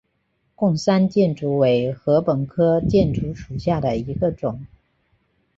贡山箭竹为禾本科箭竹属下的一个种。